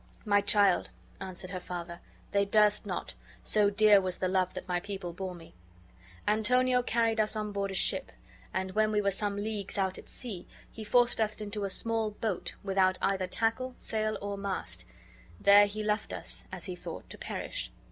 "My child," answered her father, "they durst not, so dear was the love that my people bore me. Antonio carried us on board a ship, and when we were some leagues out at sea, he forced us into a small boat, without either tackle, sail, or mast; there he left us, as he thought, to perish.